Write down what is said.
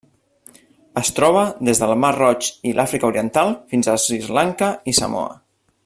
Es troba des del Mar Roig i l'Àfrica Oriental fins a Sri Lanka i Samoa.